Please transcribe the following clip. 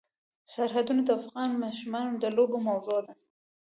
سرحدونه د افغان ماشومانو د لوبو موضوع ده.